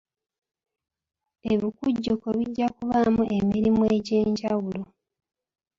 Ebikujjuko bijja kubaamu emirimu egy'enjawulo.